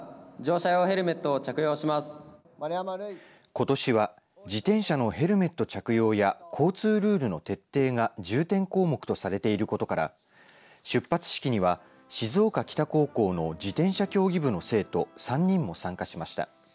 ことしは自転車のヘルメット着用や交通ルールの徹底が重点項目とされていることから出発式には静岡北高校の自転車競技部の生徒３人も参加しました。